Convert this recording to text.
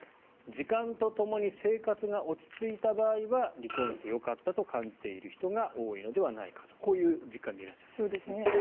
時間とともに生活が落ち着いた場合は離婚してよかったと感じている人が多いのではないかとこういう実感でいらっしゃいますね。